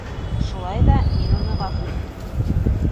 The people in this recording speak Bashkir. Шулай ҙа, мин уны ғәфү иттем.